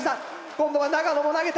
今度は長野も投げた。